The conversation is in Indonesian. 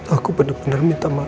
aku benar benar minta maaf